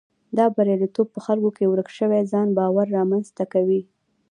دا بریالیتوب په خلکو کې ورک شوی ځان باور رامنځته کوي.